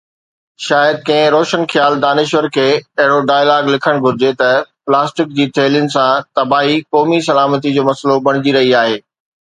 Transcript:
شايد ڪنهن روشن خيال دانشور کي اهڙو ڊائلاگ لکڻ گهرجي ته پلاسٽڪ جي ٿيلهين سان تباهي قومي سلامتي جو مسئلو بڻجي رهي آهي.